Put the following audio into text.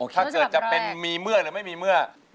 ถ้าเกิดจะเป็นมีเมื่อหรือไม่มีเมื่อ